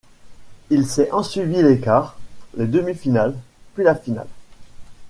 Il s'est ensuivi les quarts, les demi-finales puis la finale.